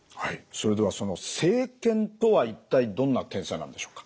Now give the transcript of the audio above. それではその生検とは一体どんな検査なんでしょうか？